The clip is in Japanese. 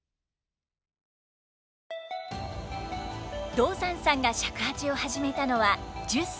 道山さんが尺八を始めたのは１０歳の頃。